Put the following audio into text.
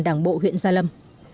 đảng bộ huyện gia lâm